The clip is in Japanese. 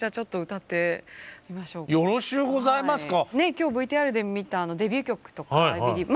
今日ＶＴＲで見たデビュー曲とか「Ｉｂｅｌｉｅｖｅ」